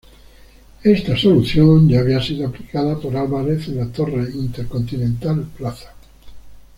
Esta solución ya había sido aplicada por Álvarez en la torre Intercontinental Plaza.